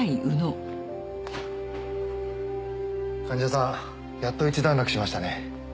患者さんやっと一段落しましたね。